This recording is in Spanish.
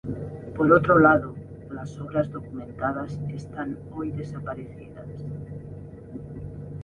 Por otro lado, las obras documentadas están hoy desaparecidas.